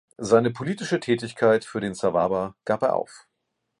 Seine politische Tätigkeit für den Sawaba gab er auf.